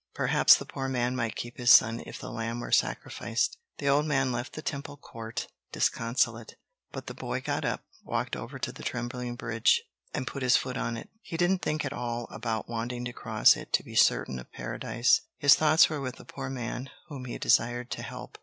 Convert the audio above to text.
Perhaps the poor man might keep his son if the lamb were sacrificed. The old man left the Temple Court disconsolate, but the boy got up, walked over to the trembling bridge, and put his foot on it. He didn't think at all about wanting to cross it to be certain of Paradise. His thoughts were with the poor man, whom he desired to help.